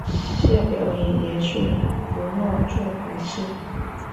下表以元素符号作排序。